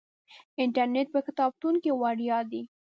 انټرنیټ په کتابتون کې وړیا دی.